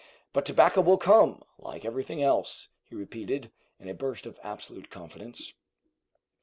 "But tobacco will come, like everything else!" he repeated, in a burst of absolute confidence.